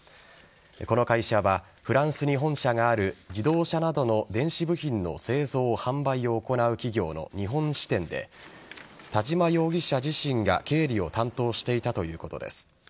この会社はフランスに本社がある自動車などの電子部品の製造・販売を行う企業の日本支店で田嶋容疑者自身が経理を担当していたということです。